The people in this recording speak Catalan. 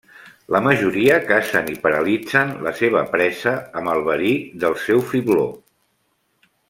La majoria cacen i paralitzen la seva presa amb el verí del seu fibló.